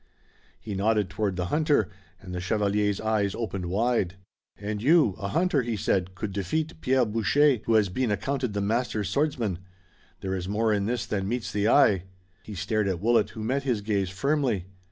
He nodded toward the hunter and the chevalier's eyes opened wide. "And you, a hunter," he said, "could defeat Pierre Boucher, who has been accounted the master swordsman! There is more in this than meets the eye!" He stared at Willet, who met his gaze firmly.